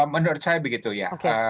menurut saya begitu ya